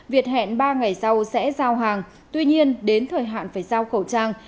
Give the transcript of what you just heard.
việt hẹn ba ngày sau sẽ giao hàng tuy nhiên đến thời hạn phải giao khẩu trang